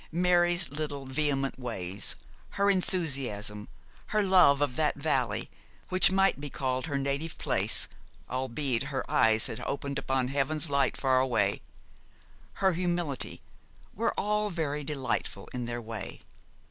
Mary's little vehement ways, her enthusiasm, her love of that valley, which might be called her native place, albeit her eyes had opened upon heaven's light far away, her humility, were all very delightful in their way.